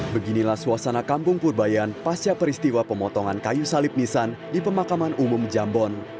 beginilah suasana kampung purbayan pasca peristiwa pemotongan kayu salib nisan di pemakaman umum jambon